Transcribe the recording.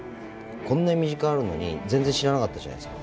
こんな身近にあるのに全然知らなかったじゃないですか。